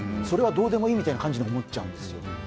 それはどうでもいいみたいな感じに思っちゃうんですよね。